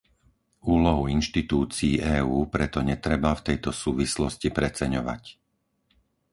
Úlohu inštitúcií EÚ preto netreba v tejto súvislosti preceňovať.